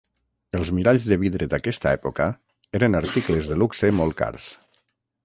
Els miralls de vidre d'aquesta època eren articles de luxe molt cars.